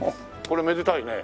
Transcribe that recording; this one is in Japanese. これめでたいね。